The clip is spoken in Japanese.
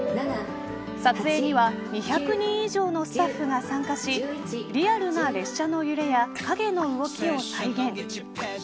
撮影には２００人以上のスタッフが参加しリアルな列車の揺れや影の動きを再現。